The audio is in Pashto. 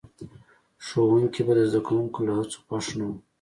ښوونکي به د زده کوونکو له هڅو خوښ نه وو.